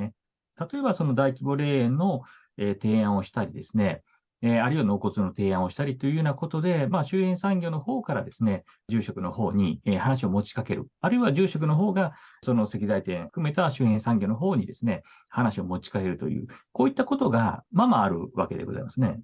例えば大規模霊園の提案をしたりですね、あるいは納骨の提案をしたりというようなことで、周辺産業のほうから住職のほうに話を持ちかける、あるいは住職のほうが、石材店を含めた周辺産業のほうに話を持ちかけるという、こういったことがままあるわけでございますね。